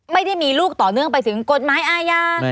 ไม่ได้มีลูกต่อเนื่องไปถึงกฎหมายอาญา